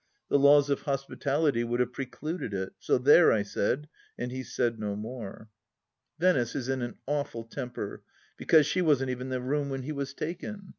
The laws of hospitality would have precluded it, so there, I said ; and he said no more. Venice is in an awful temper, because she wasn't even in the room when he was taken.